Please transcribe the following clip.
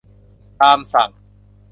ตามสั่ง